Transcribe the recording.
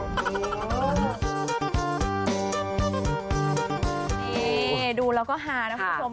นี่ดูแล้วก็ฮานะคุณผู้ชม